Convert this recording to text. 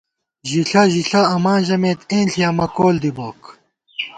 ژِݪہ ژِݪہ اماں ژَمېت اېنݪی امہ کول دِی بوک